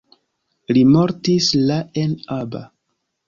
Li mortis la en Aba.